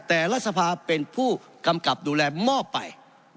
แต่รัฐสภาเป็นผู้กำกับดูแลมอบไป